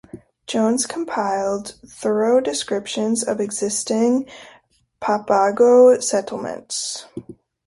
Jones compiled thorough descriptions of existing Papago settlements.